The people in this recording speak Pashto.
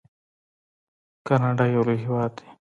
کاناډا یو لوی هیواد دی.